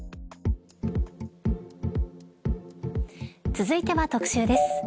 続いては特集です。